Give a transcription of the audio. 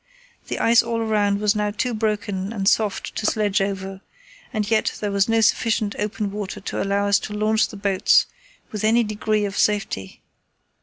The ice all around was now too broken and soft to sledge over, and yet there was not sufficient open water to allow us to launch the boats with any degree of safety.